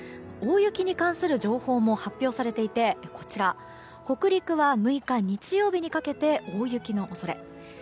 大雪に関する情報も発表されていて北陸は６日、日曜日にかけて大雪の恐れ。